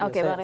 oke pak refri